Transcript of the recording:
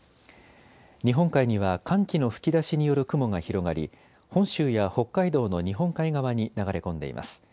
日本海には寒気の吹き出しによる雲が広がり本州や北海道の日本海側に流れ込んでいます。